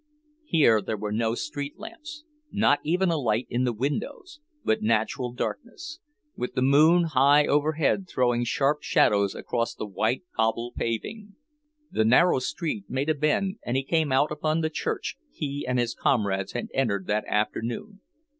Here there were no street lamps, not even a light in the windows, but natural darkness; with the moon high overhead throwing sharp shadows across the white cobble paving. The narrow street made a bend, and he came out upon the church he and his comrades had entered that afternoon.